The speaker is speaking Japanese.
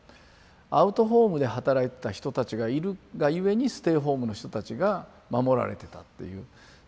アウトホームで働いてた人たちがいるがゆえにステイホームの人たちが守られてたっていうそういう関係にすぎない。